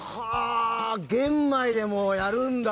玄米でもやるんだ！